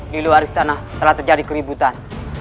di luar sana telah terjadi keributan